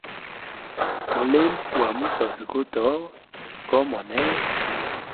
Mulimo gwa musozi gutowa gomoneya.